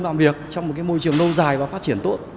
làm việc trong một cái môi trường lâu dài và phát triển tốt